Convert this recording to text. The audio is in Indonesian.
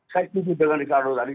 saya kutip dengan ricardo tadi